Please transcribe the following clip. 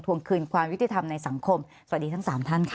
วงคืนความยุติธรรมในสังคมสวัสดีทั้ง๓ท่านค่ะ